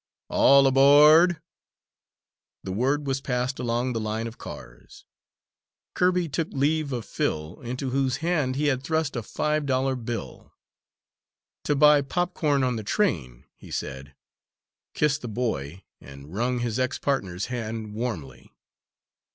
"All aboard!" The word was passed along the line of cars. Kirby took leave of Phil, into whose hand he had thrust a five dollar bill, "To buy popcorn on the train," he said, kissed the boy, and wrung his ex partner's hand warmly.